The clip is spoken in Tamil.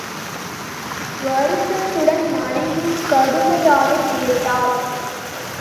வருத்தத்துடன் மனைவி கடுமையாகக் கேட்டாள்.